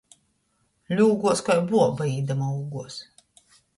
Ļūguos, kai buoba, īdama ūguos.